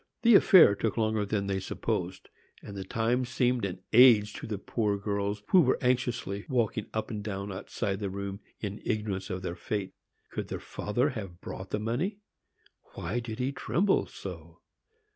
The affair took longer than they supposed, and the time seemed an age to the poor girls, who were anxiously walking up and down outside the room, in ignorance of their fate. Could their father have brought the money? Why did he tremble so?